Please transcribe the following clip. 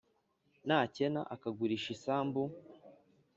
nakena akagurisha isambu